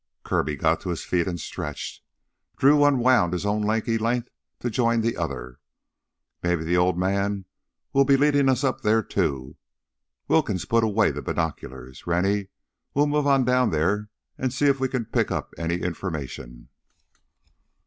Kirby got to his feet and stretched. Drew unwound his own lanky length to join the other. "Maybe the old man will be leadin' us up there, too " Wilkins put away the binoculars. "Rennie, we'll move on down there and see if we can pick up any information."